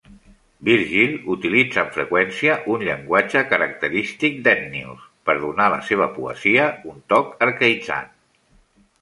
Virgil utilitza, amb freqüència, un llenguatge característic d"Ennius, per donar a la seva poesia un toc arcaïtzant.